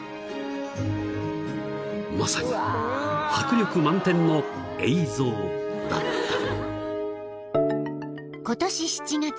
［まさに迫力満点のエイ像だった］